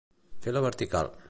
Fer la vertical.